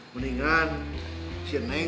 mendingan si neng